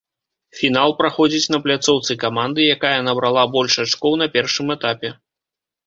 Фінал праходзіць на пляцоўцы каманды, якая набрала больш ачкоў на першым этапе.